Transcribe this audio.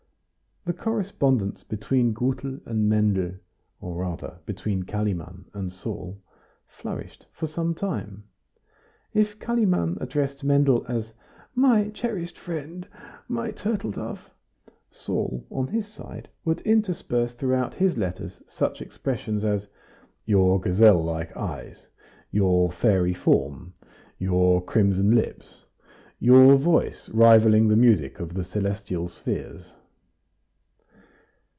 The correspondence between Gutel and Mendel, or rather between Kalimann and Saul, flourished for some time. If Kalimann addressed Mendel as "my cherished friend," "my turtle dove," Saul on his side would intersperse throughout his letters such expressions as "your gazelle like eyes," "your fairy form," "your crimson lips," "your voice rivalling the music of the celestial spheres."